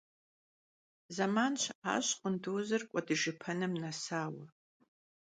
Зэман щыӀащ къундузыр кӀуэдыжыпэным нэсауэ.